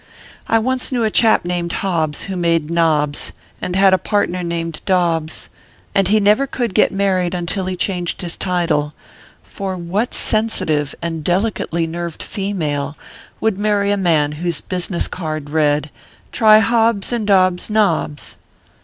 I once knew a chap named Hobbs, who made knobs, and had a partner named Dobbs ; and he never could get married until he changed his title ; for what sensitive and delicately nerved female would marry a man whose business card read, " Try Hobbs & Dobbs Knobs